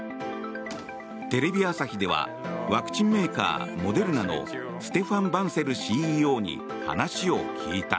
テレビ朝日ではワクチンメーカー、モデルナのステファン・バンセルＣＥＯに話を聞いた。